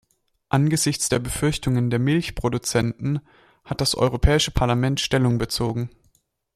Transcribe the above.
Angesichts der Befürchtungen der Milchproduzenten hat das Europäische Parlament Stellung bezogen.